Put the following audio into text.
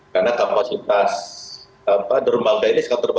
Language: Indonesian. karena kapasitas dermaga ini